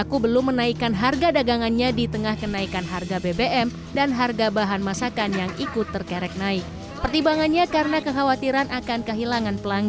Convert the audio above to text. kenaikan harga makanan di warteg ini pun diaminin